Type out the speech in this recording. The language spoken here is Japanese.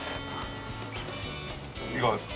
いかがですか？